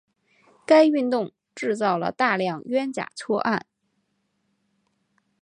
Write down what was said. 该运动制造了大量冤假错案。